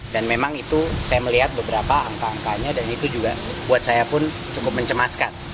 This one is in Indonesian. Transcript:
dan memang itu saya melihat beberapa angka angkanya dan itu juga buat saya pun cukup mencemaskan